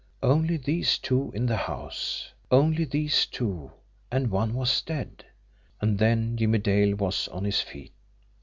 Only these two in the house! Only these two and one was dead! And then Jimmie Dale was on his feet.